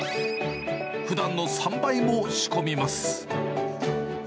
ふだんの３倍も仕込みます。